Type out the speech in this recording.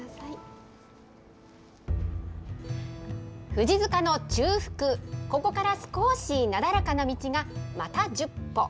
富士塚の中腹、ここから少しなだらかな道がまた１０歩。